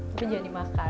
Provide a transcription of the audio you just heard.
tapi jangan dimakan